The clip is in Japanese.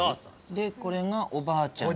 でこれがおばあちゃんち。